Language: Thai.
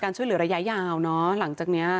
การช่วยหลังจากนี้หลัยยาวเนอะ